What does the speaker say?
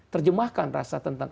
terjemahkan rasa tentang